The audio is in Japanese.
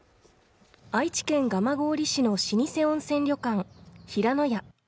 愛知県蒲郡市の老舗温泉旅館平野屋